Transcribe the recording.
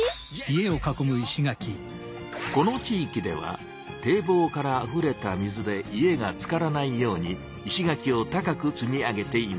この地いきでは堤防からあふれた水で家がつからないように石垣を高く積み上げていました。